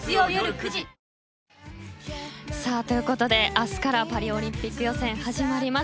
明日からパリオリンピック予選始まります。